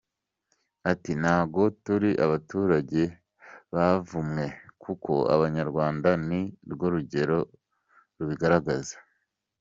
Ati “Ntago turi abaturage bavumwe, kuko Abanyarwanda ni rwo rugero rubigaragaza.